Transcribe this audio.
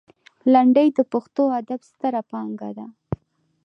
لنډۍ د پښتو ادب ستره پانګه ده.